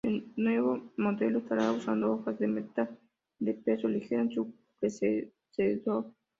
El nuevo modelo estará usando hoja de metal de peso ligero que su predecesor.